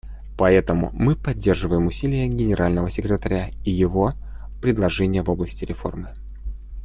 Поэтому мы поддерживаем усилия Генерального секретаря и его предложения в области реформы.